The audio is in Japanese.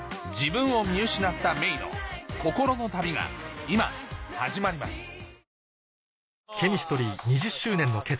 自分を見失ったメイの心の旅が今始まります